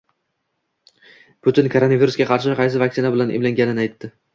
Putin koronavirusga qarshi qaysi vaksina bilan emlanganini aytdi